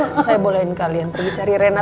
iya saya bolehin kalian pergi cari renna